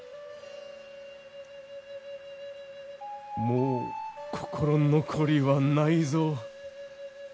もう心残りはないぞ。